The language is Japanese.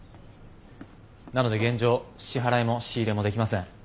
なので現状支払いも仕入れもできません。